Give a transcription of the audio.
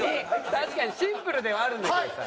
確かにシンプルではあるんだけどさ。